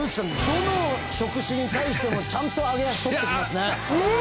どの職種に対してもちゃんと揚げ足とってきますね。